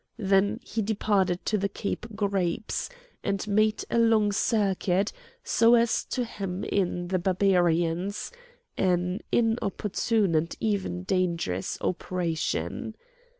Then he departed to the Cape Grapes, and made a long circuit so as to hem in the Barbarians, an inopportune and even dangerous operation.